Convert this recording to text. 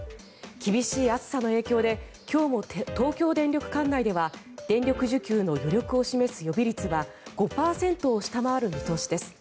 厳しい暑さの影響で今日も東京電力管内では電力需給の余力を示す予備率は５％を下回る見通しです。